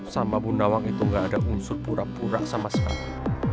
sama bu nawang itu gak ada unsur pura pura sama sekali